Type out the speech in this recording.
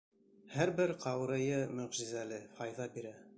Һәр бер ҡаурыйы мөғжизәле, файҙа бирә.